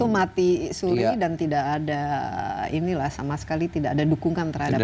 mati suri dan tidak ada ini lah sama sekali tidak ada dukungan terhadap industri